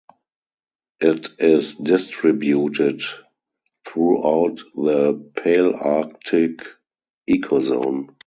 It is distributed throughout the Palearctic ecozone.